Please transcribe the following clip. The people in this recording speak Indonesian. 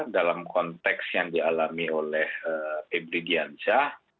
dalam konteks yang dialami oleh febri diansyah